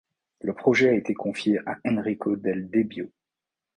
Le projet a été confié à Enrico Del Debbio.